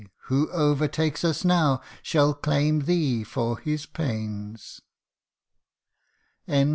who overtakes us now, shall claim thee for his pains